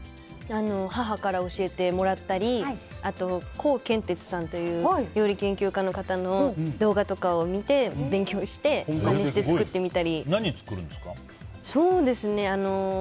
母から教えてもらったりあとコウケンテツさんという料理研究家の方の動画とかを見て勉強して何作るんですか？